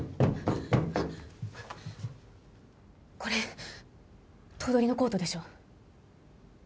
これ頭取のコートでしょ？